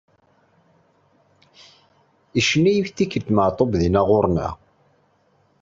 Ttfunzureɣ.